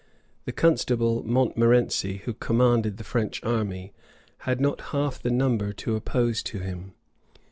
The constable Montmorency, who commanded the French army, had not half the number to oppose to him.